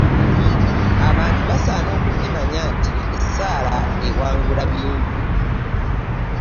Abantu basaana okukimanya nti essaala ewangula bingi.